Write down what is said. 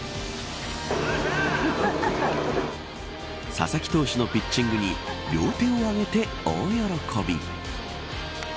佐々木投手のピッチングに両手を上げて大喜び。